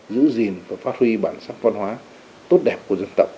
giữ gìn và phát huy bản thân